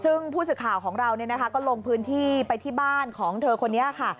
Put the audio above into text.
ซึ่งผู้สื่อข่าวของเราก็ลงพื้นที่ไปที่บ้านของเธอคนนี้ค่ะ